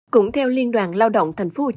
cũng theo liên đoàn lao động